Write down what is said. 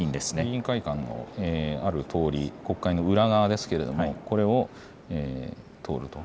議員会館のある通り、国会の裏側ですけれどもこれを通ると。